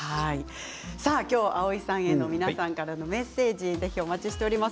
蒼井優さんへの皆さんからのメッセージをお待ちしています。